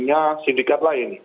ternyata sindikat lain